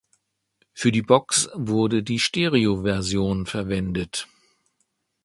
Für die Box wurde die Stereoversion verwendet.